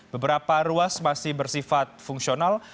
beberapa ruas masih bersifat fungsional